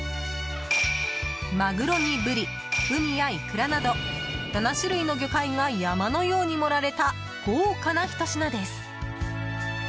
マグロにブリ、ウニやイクラなど７種類の魚介が山のように盛られた豪華なひと品です。